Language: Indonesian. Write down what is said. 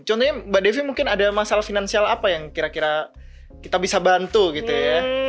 contohnya mbak devi mungkin ada masalah finansial apa yang kira kira kita bisa bantu gitu ya